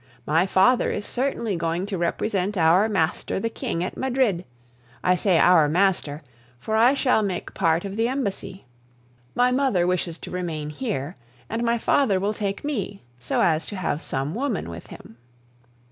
My father is certainly going to represent our master the King at Madrid. I say our master, for I shall make part of the embassy. My mother wishes to remain here, and my father will take me so as to have some woman with him.